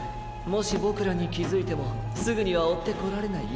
もしボクらにきづいてもすぐにはおってこられないよ。